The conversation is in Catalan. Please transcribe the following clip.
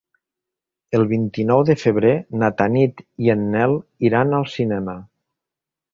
El vint-i-nou de febrer na Tanit i en Nel iran al cinema.